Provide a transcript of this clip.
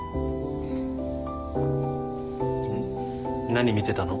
何見てたの？